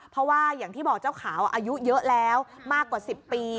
เพราะว่าอย่างที่บอกเจ้าขาวอายุเยอะแล้วมากกว่า๑๐ปี